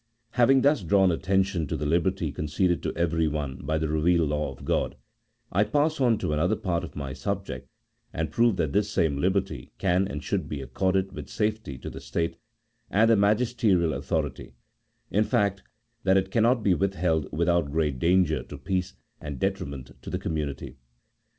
Having thus drawn attention to the liberty conceded to everyone by the revealed law of G od, I pass on to another part of my subject, and prove that this same liberty can and should be accorded with safety to the state and the magis terial authority — in fact, that it cannot be withheld without great danger to peace and detriment to the community.